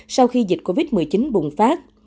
sau khi dịch covid một mươi chín bùng phát